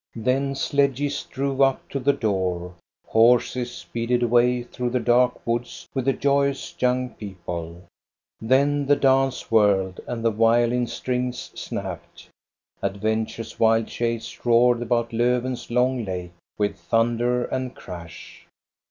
Then sledges drove up to the door, horses speeded away through the dark woods with the joyous young people ; then the dance whirled and the violin strings snapped. Adventure's wild chase roared about Lofven's long lake with thun der and crash.